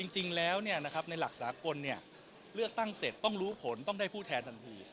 จริงแล้วในหลักสากลเลือกตั้งเสร็จต้องรู้ผลต้องได้ผู้แทนทันที